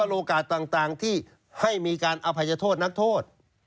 โอกาสต่างที่ให้มีการอภัยโทษนักโทษ